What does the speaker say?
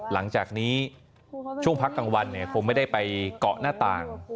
หลังจากนี้ช่วงพักกลางวันคงไม่ได้ไปเกาะหน้าต่าง